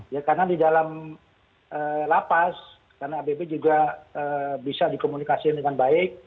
ya karena di dalam lapas karena abb juga bisa dikomunikasikan dengan baik